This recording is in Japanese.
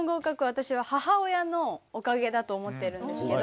私は母親のおかげだと思ってるんですけど。